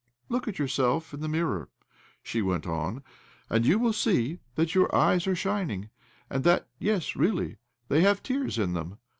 ' Look at yourself in the mirror," she went on, ' and you will see that your eyes are shining, and that — yes, really! — they have tears in them.